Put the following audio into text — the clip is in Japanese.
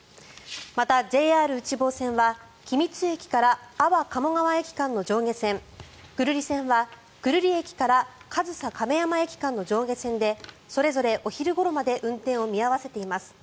また、ＪＲ内房線は君津駅から安房鴨川駅間の上下線久留里線は久留里駅から上総亀山駅間の上下線でそれぞれ、お昼ごろまで運転を見合わせています。